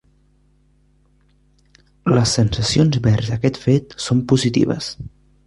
Les sensacions vers aquest fet són positives.